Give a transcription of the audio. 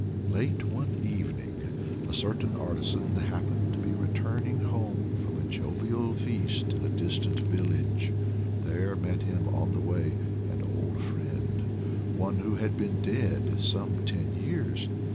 Late one evening a certain artisan happened to be returning home from a jovial feast in a distant village. There met him on the way an old friend, one who had been dead some ten years.